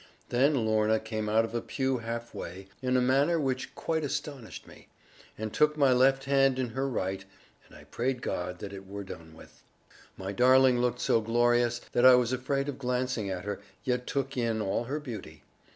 Then Lorna came out of a pew half way, in a manner which quite astonished me, and took my left hand in her right, and I prayed God that it were done with. My darling looked so glorious that I was afraid of glancing at her, yet took in all her beauty.